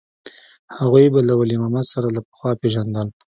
هغوى به له ولي محمد سره له پخوا پېژندل.